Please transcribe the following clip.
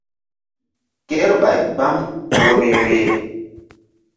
Kerɓay gbam ku vbe-vbeh.